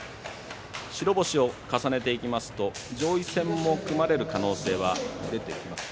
白星を重ねていきますと上位戦組まれる可能性が出てきます。